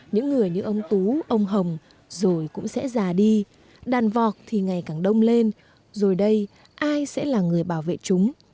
những người như ông tú ông hồng rồi cũng sẽ già đi đàn vọc thì ngày càng đông lên rồi đây ai sẽ là người bảo vệ chúng